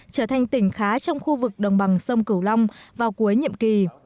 trở thành tỉnh khá trong khu vực đồng bằng sông cửu long vào cuối nhiệm kỳ